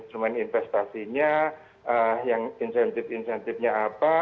instrumen instrumen investasinya yang insentif insentifnya apa